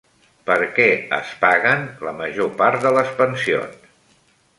Per què es paguen la major part de les pensions?